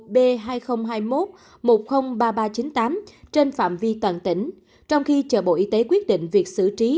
vào lô b hai nghìn hai mươi một một trăm linh ba nghìn ba trăm chín mươi tám trên phạm vi toàn tỉnh trong khi chợ bộ y tế quyết định việc xử trí